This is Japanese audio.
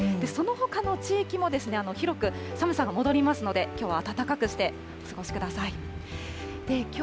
そのほかの地域も、広く寒さが戻りますので、きょうは暖かくしてお過ごしください。